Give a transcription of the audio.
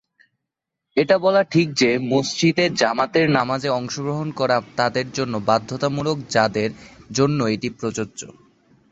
এটা বলা ঠিক যে, মসজিদে জামাতের নামাজে অংশগ্রহণ করা তাদের জন্য বাধ্যতামূলক যাদের জন্য এটি প্রযোজ্য।